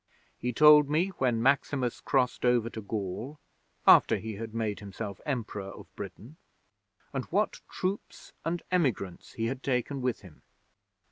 He told me when Maximus crossed over to Gaul, after he had made himself Emperor of Britain, and what troops and emigrants he had taken with him.